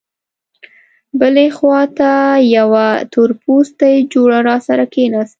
بلې خوا ته یوه تورپوستې جوړه راسره کېناسته.